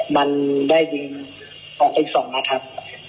มันได้ยิงออกไปอีก๒นัดครับ